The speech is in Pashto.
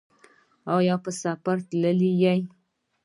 ایا په سفر تللي وئ؟